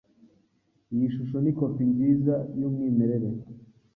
Iyi shusho ni kopi nziza yumwimerere.